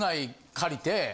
借りて。